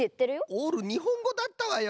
オールにほんごだったわよ